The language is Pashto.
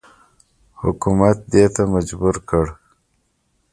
حکومت دې ته مجبور کړ.